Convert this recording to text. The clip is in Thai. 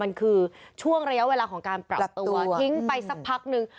มันคือช่วงระยะเวลาของการปรับตัวทิ้งไปสักพักนึง